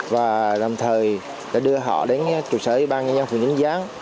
và đồng thời đã đưa họ đến chủ sở y ban nhân dân phường nhân gián